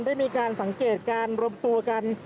ได้มีการสังเกตการรวมตัวกัน